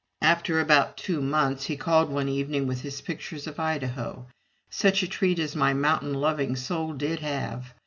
After about two months, he called one evening with his pictures of Idaho. Such a treat as my mountain loving soul did have!